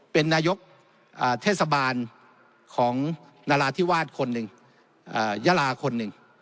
เป็นนายกเทศบาลของนาราธิวาสคนหนึ่งยาลาคนหนึ่ง